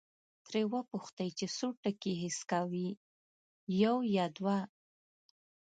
ترې وپوښتئ چې څو ټکي حس کوي، یو یا دوه؟